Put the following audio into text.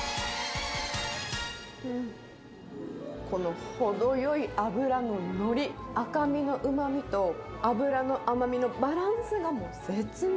うん、この程よい脂の乗り、赤身のうまみと、脂の甘みのバランスがもう絶妙。